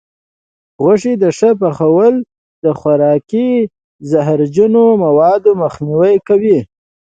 د غوښې ښه پخول د خوراکي زهرجنو موادو مخنیوی کوي.